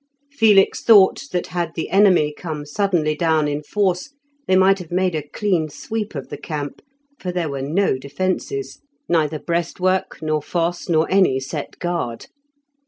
Felix thought that had the enemy come suddenly down in force they might have made a clean sweep of the camp, for there were no defences, neither breastwork, nor fosse, nor any set guard.